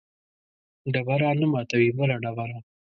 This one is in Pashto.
ډبره نه ماتوي بله ډبره